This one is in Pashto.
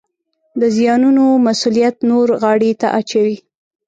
د زیانونو مسوولیت نورو غاړې ته اچوي